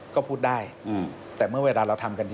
ก็พูดได้แต่เมื่อเวลาเราทำกันดี